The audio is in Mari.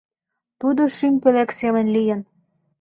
Тудо шӱм пӧлек семын лийын.